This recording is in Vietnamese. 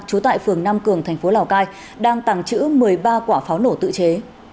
trú tại phường nam cường tp lào cai đang tàng chữ một mươi ba quả pháo nổ tự chế